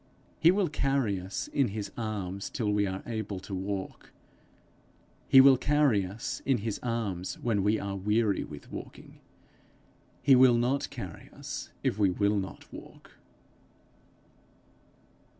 He will carry us in his arms till we are able to walk; he will carry us in his arms when we are weary with walking; he will not carry us if we will not walk.